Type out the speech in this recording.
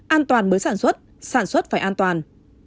an toàn mới sản xuất sản xuất phải an toàn